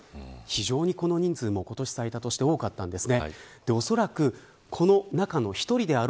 この人数も今年最多として多かったです。